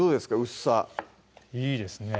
薄さいいですね